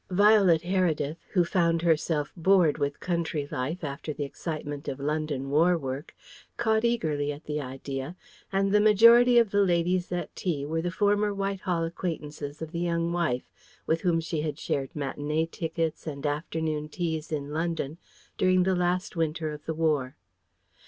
Violet Heredith, who found herself bored with country life after the excitement of London war work, caught eagerly at the idea, and the majority of the ladies at tea were the former Whitehall acquaintances of the young wife, with whom she had shared matinée tickets and afternoon teas in London during the last winter of the war.